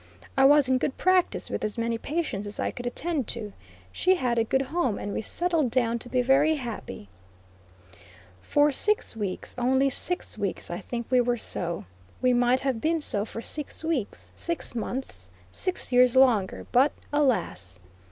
I was in good practice with as many patients as I could attend to; she had a good home and we settled down to be very happy. For six weeks, only six weeks, I think we were so. We might have been so for six weeks, six months, six years longer; but alas!